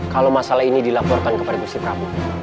kalau masalah ini dilaporkan kepada musuh prabu